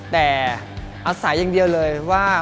แต่อาศัยอย่างเดียวเลยว่า